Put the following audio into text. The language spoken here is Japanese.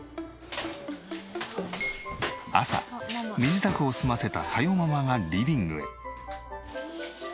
朝身支度を済ませた紗代ママがリビングへ。